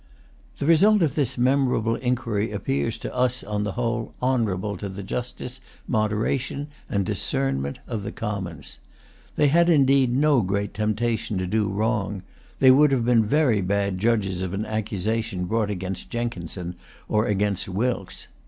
The result of this memorable inquiry appears to us, on the whole, honourable to the justice, moderation, and discernment of the Commons. They had indeed no great temptation to do wrong. They would have been very bad judges of an accusation brought against Jenkinson or against Wilkes.